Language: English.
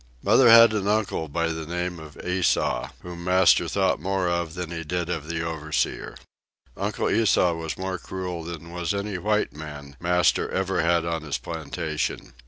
Mother had an uncle by the name of Esau, whom master thought more of than he did of the overseer. Uncle Esau was more cruel than was any white man master ever had on his plantation.